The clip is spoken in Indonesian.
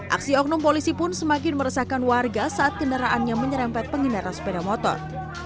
aksi oknum polisi pun semakin meresahkan warga saat kendaraannya menyerempet pengendara sepeda motor